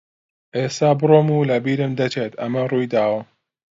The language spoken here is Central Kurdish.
ئێستا بڕۆ و لەبیرم دەچێت ئەمە ڕووی دا.